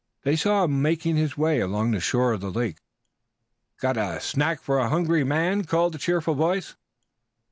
They saw him making his way along the shore of the lake. "Got a snack for a hungry man?" called a cheerful voice.